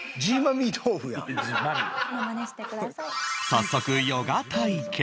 早速ヨガ体験